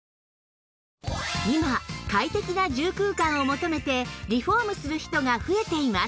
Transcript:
今快適な住空間を求めてリフォームする人が増えています